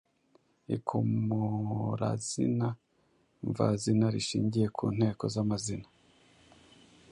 Ikomorazina mvazina rishingiye ku nteko z’amazina.